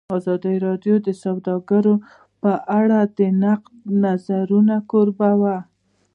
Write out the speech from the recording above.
ازادي راډیو د سوداګري په اړه د نقدي نظرونو کوربه وه.